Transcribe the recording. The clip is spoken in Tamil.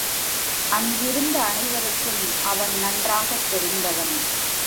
அங்கிருந்த அனைவருக்கும் அவன் நன்றாகத் தெரிந்தவனே.